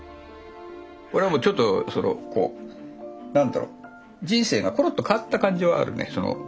これはちょっと何だろう人生がコロッと変わった感じはあるね。